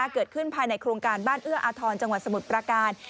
เกิดขึ้นภายในโครงการบ้านเอื้ออาธรรณ์จังหวัดสมุทรประการ